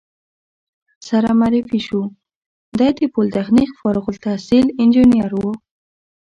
سره معرفي شوو، دی د پولتخنیک فارغ التحصیل انجینر و.